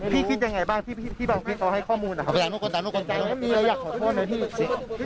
พี่คิดยังไงบ้างที่พี่บางที่ต่อให้ข้อมูลนะครับมีอะไรอยากขอโทษนะพี่